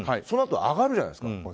そのあと、上がるじゃないですか。